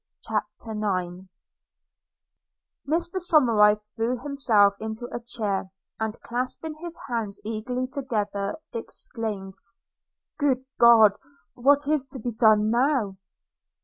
CHAPTER IX MR SOMERIVE threw himself into a chair, and, clasping his hands eagerly together, exclaimed, 'Good God! what is to be done now?'